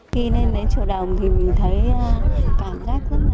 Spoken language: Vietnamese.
khi lên đến chùa đồng thì mình thấy cảm giác rất là tĩnh nặng